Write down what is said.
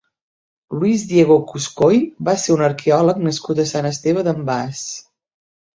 Luis Diego Cuscoy va ser un arqueòleg nascut a Sant Esteve d'en Bas.